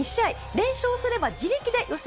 連勝すれば自力で予選